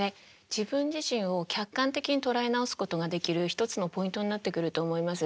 自分自身を客観的に捉え直すことができる一つのポイントになってくると思います。